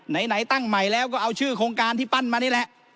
ไหนตั้งใหม่แล้วก็เอาชื่อโครงการที่ปั้นมานี่แหละ